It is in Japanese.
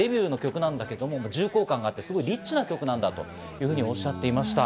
重厚感があって、リッチな曲なんだとおっしゃっていました。